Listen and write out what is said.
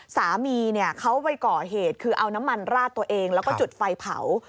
สามีเขาไปก่อเหตุคือเอาน้ำมันราดตัวเองแล้วก็จุดไฟเผา